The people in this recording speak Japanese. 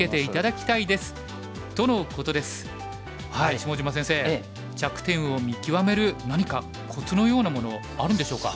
下島先生着点を見極める何かコツのようなものあるんでしょうか？